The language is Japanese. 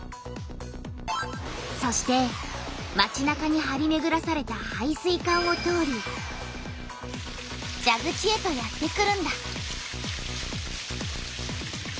そしてまちなかにはりめぐらされた配水管を通りじゃぐちへとやってくるんだ。